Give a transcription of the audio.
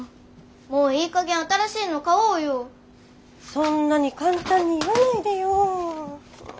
そんなに簡単に言わないでよ。